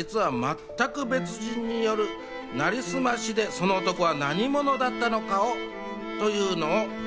死んだ夫が実は全く別人によるなりすましで、その男は何者だったのかというの。